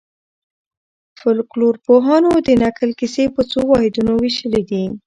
فولکلورپوهانو د نکل کیسې په څو واحدونو وېشلي دي.